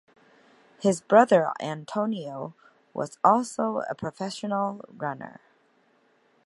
His brother Antonio was also a professional runner.